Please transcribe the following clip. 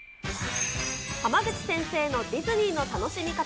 濱口先生のディズニーの楽しみ方。